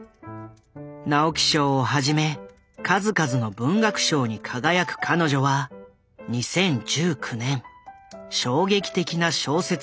直木賞をはじめ数々の文学賞に輝く彼女は２０１９年衝撃的な小説を刊行した。